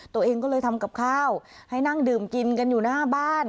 ตัวเองก็เลยทำกับข้าวให้นั่งดื่มกินกันอยู่หน้าบ้าน